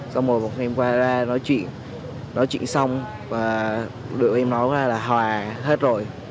xong rồi bọn em qua ra nói chuyện nói chuyện xong và được em nói ra là hòa hết rồi